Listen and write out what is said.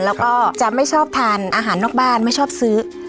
แล้วก็จะไม่ชอบทานอาหารนอกบ้านไม่ชอบซื้อ